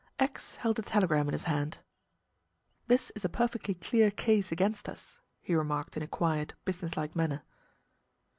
X held a telegram in his hand. "This is a perfectly clear case against us," he remarked in a quiet, business like manner.